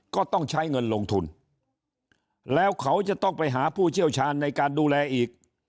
ก็ต้องใช้เงินลงทุนแล้วเขาจะต้องไปหาผู้เชี่ยวชาญในการดูแลอีก